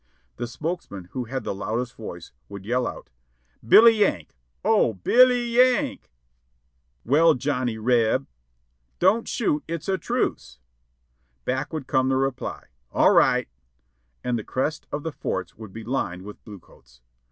The spokesman who had the loudest voice would yell out: "Billy Yank! O— B i 1 l y— Y a n k !" "Well, Johnny R e b?" "Don't shoot! it's a tnice." Back would come the reply "/\11 right," and the crest of the forts would be lined with the blue coats.